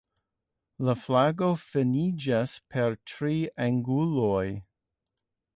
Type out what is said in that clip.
La flago finiĝas per tri anguloj.